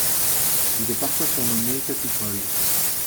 Il est parfois surnommé Katúfol.